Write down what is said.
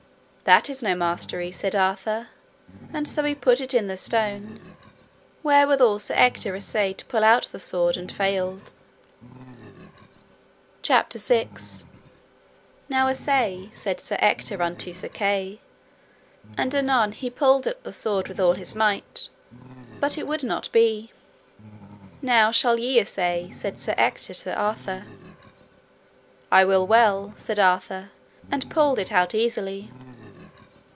That is no mastery, said Arthur, and so he put it in the stone; wherewithal Sir Ector assayed to pull out the sword and failed. CHAPTER VI. How King Arthur pulled out the sword divers times. Now assay, said Sir Ector unto Sir Kay. And anon he pulled at the sword with all his might; but it would not be. Now shall ye assay, said Sir Ector to Arthur. I will well, said Arthur, and pulled it out easily.